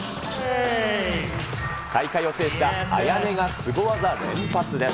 大会を制したアヤネがすご技連発です。